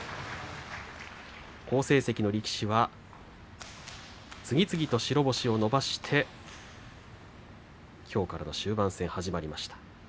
好成績の力士は次々と白星を伸ばしてきょうからの終盤戦が始まりました。